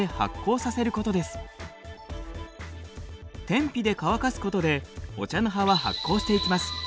天日で乾かすことでお茶の葉は発酵していきます。